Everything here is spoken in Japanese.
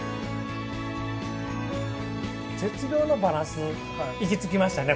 絶妙のバランス行き着きましたね